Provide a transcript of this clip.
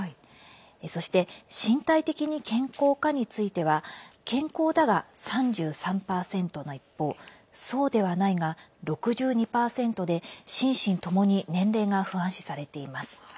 そして身体的に健康かについては健康だが３３％の一方そうではないが６２％で心身ともに年齢が不安視されています。